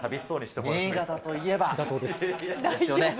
新潟といえば、これですよね。